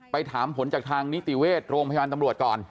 ไปถามผลจากทางนิติเวชโรงพยาบาลตำรวจก่อน